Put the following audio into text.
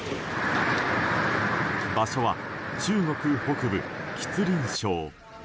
場所は中国北部、吉林省。